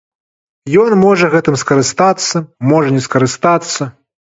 Ён можа гэтым скарыстацца, можа не скарыстацца.